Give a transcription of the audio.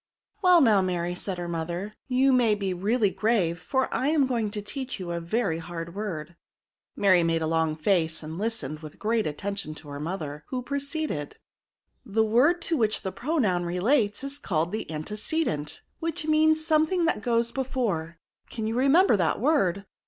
" "Well, now Mary," said her mother, " you may be really grave ; for I am going to teach you a very hard word. Mary made a long face, and listened with great attention to her mother, who pro ceeded —" The word to which the pronoun relates is called the antecedent^ which means some thing that goes before ; can you remember that word